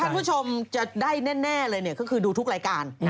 ที่ได้แน่เลยคือดูทุกรายการ